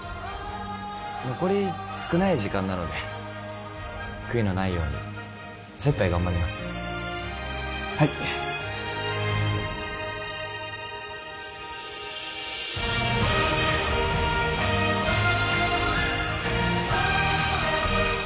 残り少ない時間なので悔いのないように精いっぱい頑張りますはい推せる！！